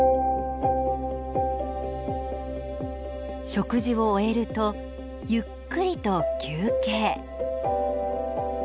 食事を終えるとゆっくりと休憩。